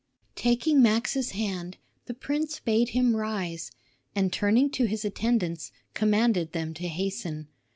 Taking Max's hand, the prince bade him rise, and turning to his attendants, commanded them to hasten.